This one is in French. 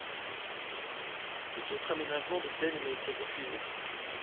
Tout autre aménagement de peine lui a été refusé.